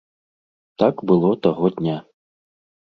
Так было таго дня.